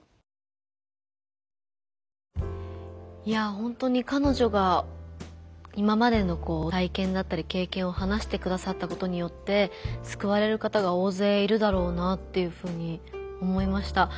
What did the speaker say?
いや本当に彼女が今までの体験だったり経験を話してくださったことによってすくわれる方が大勢いるだろうなっていうふうに思いました。